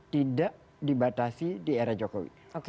tidak dibatasi di era jokowi